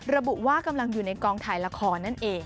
ระบุว่ากำลังอยู่ในกองถ่ายละครนั่นเอง